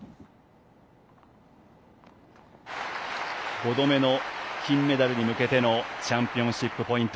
５度目の金メダルに向けてのチャンピオンシップポイント。